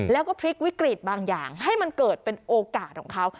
แล้วก็พลิกวิกฤตบางอย่างให้มันเกิดเป็นโอกาสของเขา